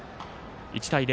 １対０。